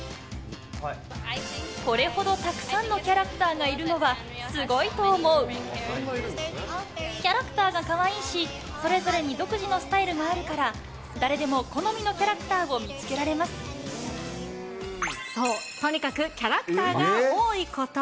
これほどたくさんのキャラクキャラクターがかわいいし、それぞれに独自のスタイルがあるから、誰でも好みのキャラクターそう、とにかくキャラクターが多いこと。